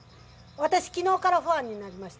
私、きのうからファンになりました。